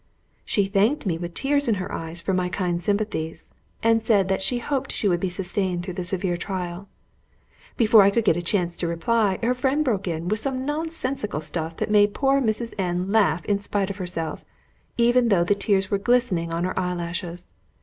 She thanked me with tears in her eyes for my kind sympathies, and said that she hoped she would be sustained through the severe trial. Before I could get a chance to reply, her friend broke in with some nonsensical stuff that made poor Mrs. N laugh in spite of herself, even though the tears were glistening on her eyelashes.